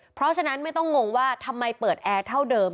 เพราะฉะนั้นไม่ต้องงงว่าทำไมเปิดแอร์เท่าเดิม